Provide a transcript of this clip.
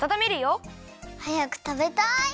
はやくたべたい！